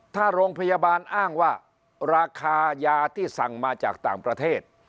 ถ้าโรงพยาบาลอ้างว่าราคายาที่สั่งมาจากต่างประเทศ